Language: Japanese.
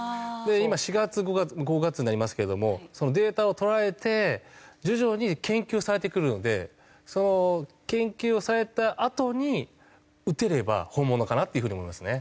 今４月５月になりますけれどもデータを取られて徐々に研究されてくるのでその研究をされたあとに打てれば本物かなっていう風に思いますね。